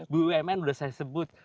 bumn sudah saya sebut